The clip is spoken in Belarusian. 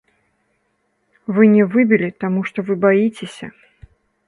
Вы не выбілі, таму што вы баіцеся.